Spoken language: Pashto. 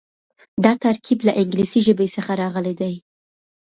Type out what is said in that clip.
دا ترکيب له انګليسي ژبې څخه راغلی دی.